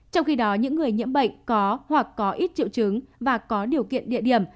trong khi đó những người nhiễm bệnh có hoặc có ít triệu chứng và có điều kiện địa điểm